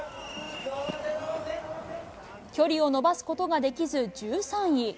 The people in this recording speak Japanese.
距離を伸ばすことができず１３位。